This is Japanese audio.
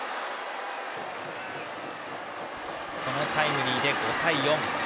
このタイムリーで５対４。